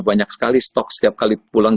banyak sekali stok setiap kali pulang